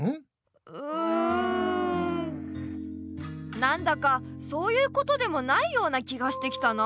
なんだかそういうことでもないような気がしてきたなあ。